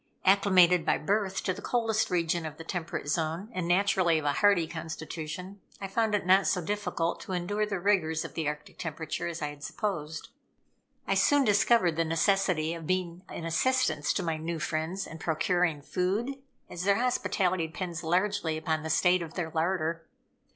Acclimated by birth to the coldest region of the temperate zone, and naturally of a hardy constitution, I found it not so difficult to endure the rigors of the Arctic temperature as I had supposed. I soon discovered the necessity of being an assistance to my new friends in procuring food, as their hospitality depends largely upon the state of their larder.